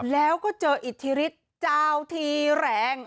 แล้วก็เจออิทธิฤทธิ์เจ้าทีแรง